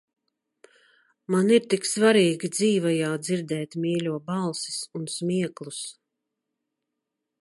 Man ir tik svarīgi dzīvajā dzirdēt mīļo balsis un smieklus.